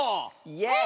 イエイ！